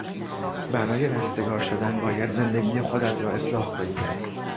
برای رستگار شدن باید زندگی خودت را اصلاح کنی.